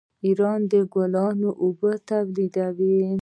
ایران د ګلابو اوبه تولیدوي.